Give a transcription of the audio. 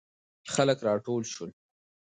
خلک راټول سول.